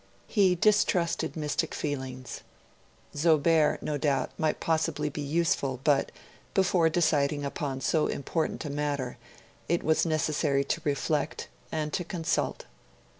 He distrusted mystic feelings. Zobeir, no doubt, might possibly be useful; but, before deciding upon so important a matter, it was necessary to reflect and to consult.